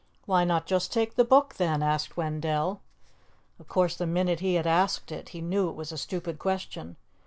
"Why not just take the book then?" asked Wendell. Of course, the minute he had asked it, he knew it was a stupid question.